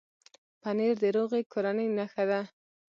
پنېر د روغې کورنۍ نښه ده.